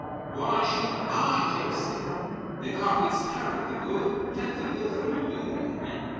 Why should I taste it? The coffee is perfectly good, plenty good for you men.